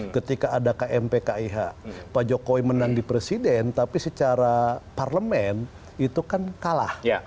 ketika ada kmp kih pak jokowi menang di presiden tapi secara parlemen itu kan kalah